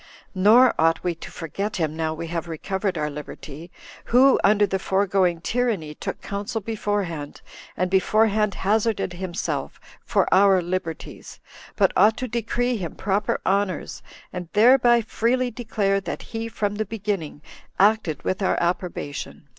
Nor ought we to forget him now we have recovered our liberty, who, under the foregoing tyranny, took counsel beforehand, and beforehand hazarded himself for our liberties; but ought to decree him proper honors, and thereby freely declare that he from the beginning acted with our approbation.